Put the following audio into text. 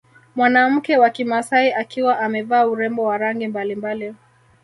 Mwanamke wa kimasai akiwa amevaa urembo wa rangi mbalimbali